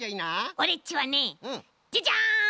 オレっちはねジャジャン！